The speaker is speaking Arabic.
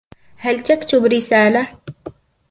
هل تكتب رسالةً ؟